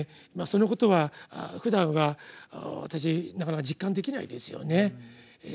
そのことはふだんは私なかなか実感できないですよね。